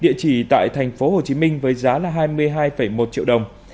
địa chỉ tại thành phố hồ chí minh với giá là hai mươi hai một triệu đồng